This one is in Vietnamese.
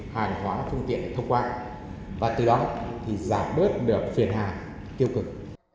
hàng hóa phương tiện thông qua và từ đó thì giảm bớt được phiền hà tiêu cực